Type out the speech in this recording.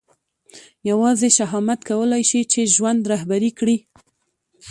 یوازې شهامت کولای شي چې ژوند رهبري کړي.